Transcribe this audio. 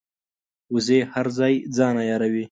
وزې هر ځای ځان عیاروي